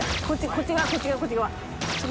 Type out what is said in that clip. こっち側こっち側こっち側。